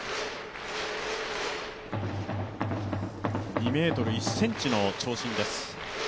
２ｍ１ｃｍの長身です。